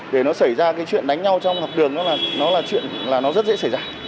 để nó xảy ra cái chuyện đánh nhau trong học đường nó là nó là chuyện là nó rất dễ xảy ra